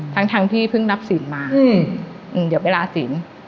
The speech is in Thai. ทั้งที่เพิ่งนับศีลมาเดี๋ยวไปลาศิลป์